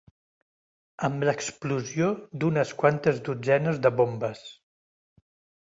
Amb l'explosió d'unes quantes dotzenes de bombes